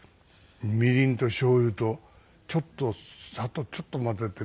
みりんとしょうゆと砂糖ちょっと混ぜてね。